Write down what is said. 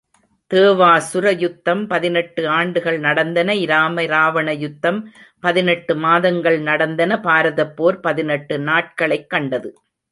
தேவாசுர யுத்தம் பதினெட்டு ஆண்டுகள் நடந்தன இராம இராவணயுத்தம் பதினெட்டு மாதங்கள் நடந்தன பாரதப்போர் பதினெட்டு நாட்களைக் கண்டது.